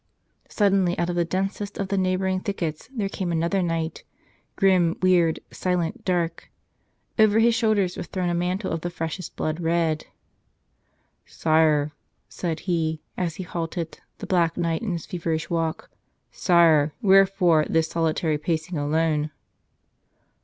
Suddenly out of the densest of the neighboring thickets there came another knight — grim, weird, silent, dark. Over his shoulders was thrown a mantle of the freshest blood red. "Sire," said he, as he halted the Black Knight in his feverish walk, "sire, wherefore this solitary pacing alone?"